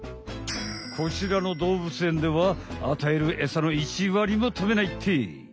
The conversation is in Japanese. こちらのどうぶつえんではあたえるエサの１わりもたべないって。え！？